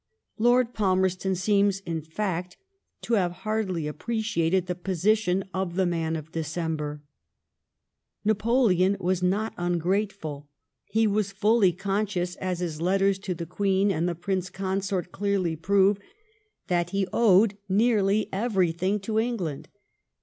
Lord Palmerston seems, in fact, to have hardly appreciated the position of the man of Decem ber. Napoleon was not ungrateful ; he was fully con scious, as his letters to the Queen and the Prince Con sort clearly prove, that he owed nearly everything to England.